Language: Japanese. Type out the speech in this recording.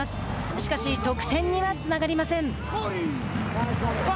しかし得点にはつながりません。